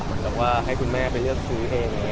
เหมือนกับว่าให้คุณแม่ไปเลือกซื้อเอง